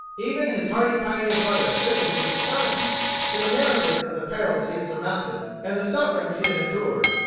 Even his hardy pioneer brother listened with astonishment to the narrative of the perils he had surmounted and the sufferings he had endured.